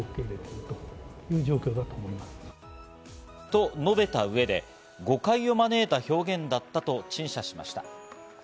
と述べた上で、誤解を招いた表現だったと陳謝しました。